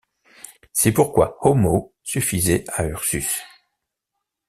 C’est pourquoi Homo suffisait à Ursus.